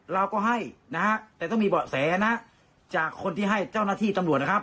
เราก็ให้นะฮะแต่ต้องมีเบาะแสนะจากคนที่ให้เจ้าหน้าที่ตำรวจนะครับ